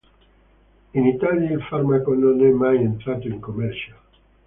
In Italia il farmaco non è mai entrato in commercio.